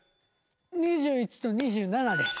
２１と２７です。